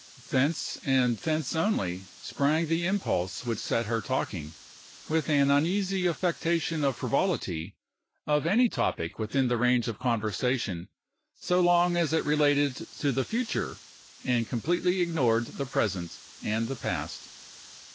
Thence, and thence only, sprang the impulse which set her talking, with an uneasy affectation of frivolity, of any topic within the range of conversation, so long as it related to the future, and completely ignored the present and the past.